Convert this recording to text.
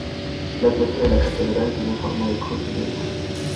La planta de la catedral tiene forma de cruz griega.